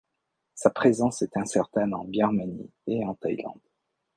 Sa présence est incertaine en Birmanie et en Thaïlande.